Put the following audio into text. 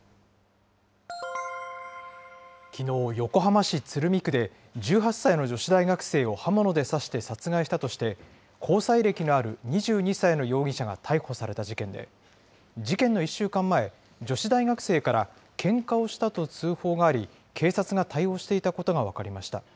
きのう、横浜市鶴見区で１８歳の女子大学生を刃物で刺して殺害したとして、交際歴のある２２歳の容疑者が逮捕された事件で、事件の１週間前、女子大学生からけんかをしたと通報があり、警察が対応していたことが分かりました。